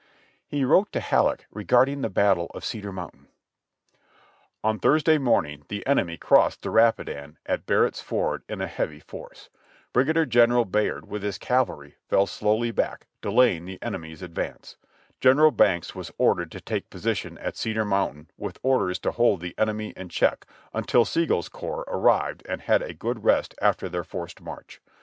He wrote to Halleck regarding the Battle of Cedar Mountain (Reb. Records, Vol. 12, p. 12 and 133) : "On Thursday morn ing the enemy crossed the Rapidan at Barnett's Ford in a heavy force. Brigadier General Bayard with his cavalry fell slowly back, delaying the enemy's advance. General Banks was ordered to take position at Cedar Mountain with orders to hold the enemy in check until Sigel's corps arrived and had a good rest after their forced march.